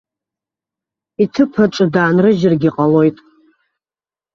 Иҭыԥ аҿы даанрыжьыргьы ҟалоит.